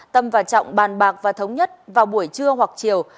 tâm và trọng bàn bạc và thống nhất vào buổi trưa hoặc chiều